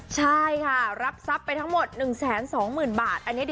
ใช่ค่ะรับทรัพย์ไปทั้งหมด๑๒๐๐๐บาท